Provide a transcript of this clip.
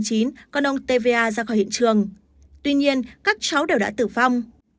còn ông tva ra khỏi hiện trường tuy nhiên các cháu đều đã tử vong